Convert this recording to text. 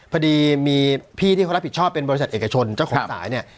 พอดีมีพี่ที่เขารับผิดชอบเป็นบริษัทเอกชนเจ้าของสายเนี่ย